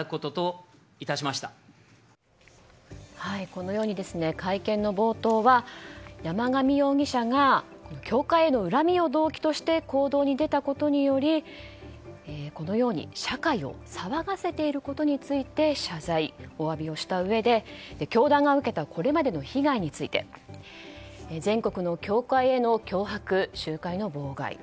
このように会見の冒頭は山上容疑者が教会への恨みを動機として行動に出たことにより社会を騒がせていることについて謝罪、お詫びをしたうえで教団が受けたこれまでの被害について全国の教会への脅迫集会の妨害。